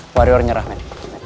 warrior nyerah men